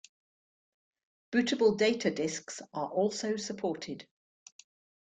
Bootable data discs are also supported.